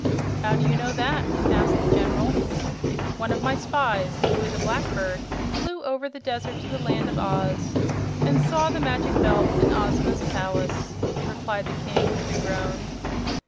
"How do you know that?" asked the General. "One of my spies, who is a Blackbird, flew over the desert to the Land of Oz, and saw the Magic Belt in Ozma's palace," replied the King with a groan.